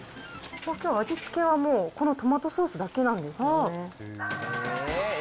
きょう、味付けはこのトマトソースだけなんですよね。